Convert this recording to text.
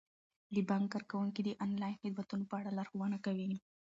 د بانک کارکوونکي د انلاین خدماتو په اړه لارښوونه کوي.